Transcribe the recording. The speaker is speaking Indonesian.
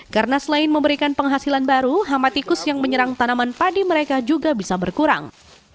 karena selain memberikan penghasilan baru hama tikus yang menyerang tanaman padi mereka juga bisa berkurang